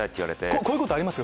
こういうことありますか？